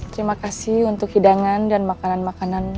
terima kasih untuk hidangan dan makanan makanan